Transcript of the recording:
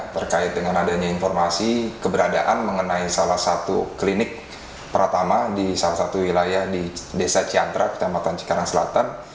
terkait dengan adanya informasi keberadaan mengenai salah satu klinik pertama di salah satu wilayah di desa ciantra kecamatan cikarang selatan